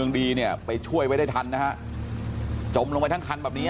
ดีเนี่ยไปช่วยไว้ได้ทันนะฮะจมลงไปทั้งคันแบบนี้